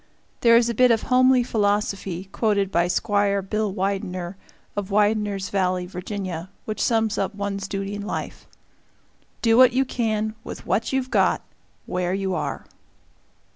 There is a bit of homely philosophy, quoted by Squire Bill Widener, of Widener's Valley, Virginia, which sums up one's duty in life: "Do what you can, with what you've got, where you are."